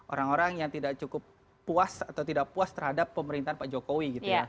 orang orang yang tidak cukup puas atau tidak puas terhadap pemerintahan pak jokowi